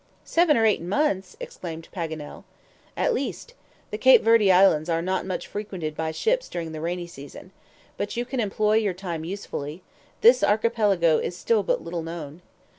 "Seven or eight months!" exclaimed Paganel. "At least. The Cape Verde Islands are not much frequented by ships during the rainy season. But you can employ your time usefully. This archipelago is still but little known."